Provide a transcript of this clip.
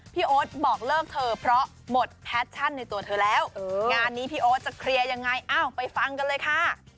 โอ๊ตบอกเลิกเธอเพราะหมดแพชชั่นในตัวเธอแล้วงานนี้พี่โอ๊ตจะเคลียร์ยังไงอ้าวไปฟังกันเลยค่ะ